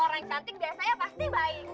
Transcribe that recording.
kalau orang yang cantik biasanya pasti baik